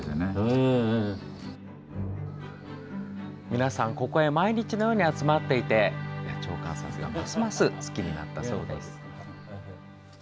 皆さん、ここへ毎日のように集まっていて野鳥観察がますます好きになったそうです。